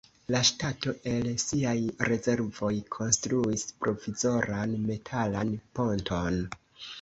La ŝtato el siaj rezervoj konstruis provizoran metalan ponton.